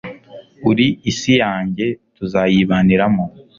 Uri isi yanjye tuzayibaniramo